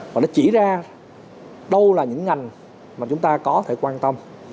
và nó chỉ ra đâu là những ngành mà chúng ta có thể quan tâm